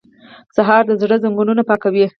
سهار د زړه زنګونه پاکوي.